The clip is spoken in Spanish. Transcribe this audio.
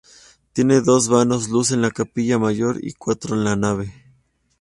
Tiene dos vanos luz en la capilla mayor y cuatro en la nave.